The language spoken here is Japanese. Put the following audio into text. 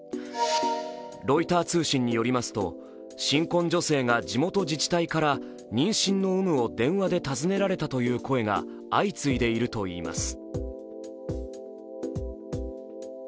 ロイター通信によりますと新婚女性が地元自治体から妊娠の有無を電話で尋ねられたという声が相次いでいるといいます。